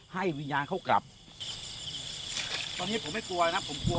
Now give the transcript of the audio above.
ให้วิญญาณเขากลับตอนนี้ผมไม่กลัวนะผมกลัว